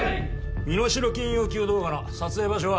身代金要求動画の撮影場所は？